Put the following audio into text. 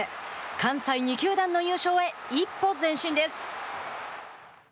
関西２球団の優勝へ一歩前進です。